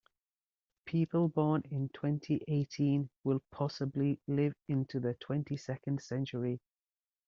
People born in twenty-eighteen will possibly live into the twenty-second century.